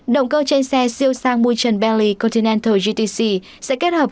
động cơ trên xe siêu sang mùi trần bentley continental gtc sẽ kết hợp